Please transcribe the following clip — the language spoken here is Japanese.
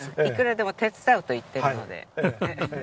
いくらでも手伝うと言ってるので。